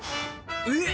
えっ！